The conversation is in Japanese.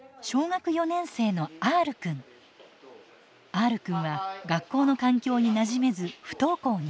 Ｒくんは学校の環境になじめず不登校に。